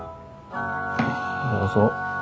どうぞ。